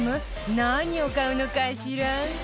何を買うのかしら？